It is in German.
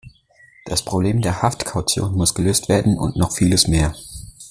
Das Problem der Haftkaution muss gelöst werden und noch vieles mehr.